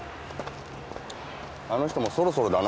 あの人もそろそろだな。